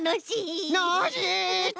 ノージーっと。